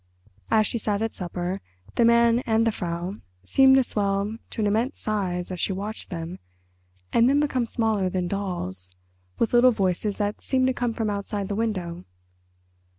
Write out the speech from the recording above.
As she sat at supper the Man and the Frau seemed to swell to an immense size as she watched them, and then become smaller than dolls, with little voices that seemed to come from outside the window.